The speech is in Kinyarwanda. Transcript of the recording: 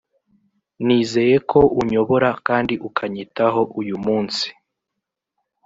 nizeye ko unyobora kandi ukanyitaho uyu munsi